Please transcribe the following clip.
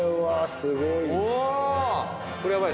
すごい！